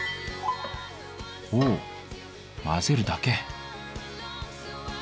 ほお混ぜるだけ！